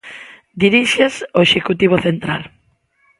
Diríxeas o executivo central.